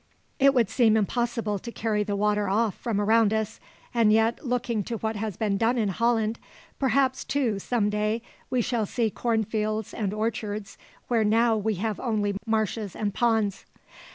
It would seem impossible to carry the water off from around us, and yet, looking to what has been done in Holland, perhaps too some day we shall see corn fields and orchards where now we have only marshes and ponds."